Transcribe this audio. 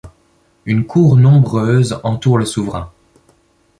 Une cour nombreuse entoure le souverain.